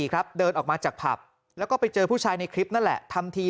ครับเดินออกมาจากผับแล้วก็ไปเจอผู้ชายในคลิปนั่นแหละทำที